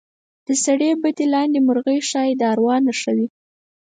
د سړي بدن لاندې مرغۍ ښایي د اروا نښه وي.